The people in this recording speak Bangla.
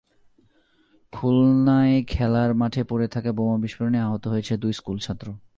খুলনায় খেলার মাঠে পড়ে থাকা বোমা বিস্ফোরণে আহত হয়েছে দুই স্কুলছাত্র।